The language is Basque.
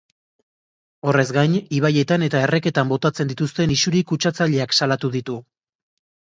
Horrez gain, ibaietan eta erreketan botatzen dituzten isuri kutsatzaileak salatu ditu.